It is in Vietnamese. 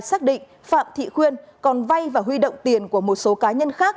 xác định phạm thị khuyên còn vay và huy động tiền của một số cá nhân khác